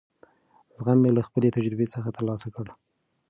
زغم مې له خپلې تجربې څخه ترلاسه کړ.